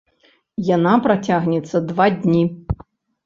Яна працягнецца два дні.